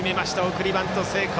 送りバント成功。